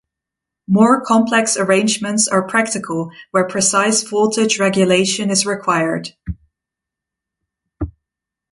More complex arrangements are practical where precise voltage regulation is required.